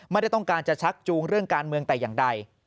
ไม่ได้ต้องการจะชักจูงเรื่องการเมืองแต่อย่างใด